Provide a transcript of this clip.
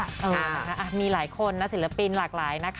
ค่ะมีหลายคนนะศิลปินหลากหลายนะครับ